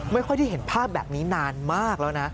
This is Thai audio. ไม่ค่อยได้เห็นภาพแบบนี้นานมากแล้วนะ